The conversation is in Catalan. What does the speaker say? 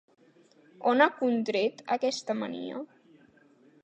On ha contret aquesta mania?